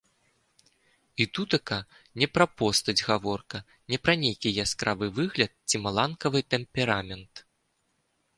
І тутака не пра постаць гаворка, не пра нейкі яскравы выгляд ці маланкавы тэмперамент.